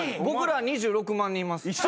僕らは２６万人います。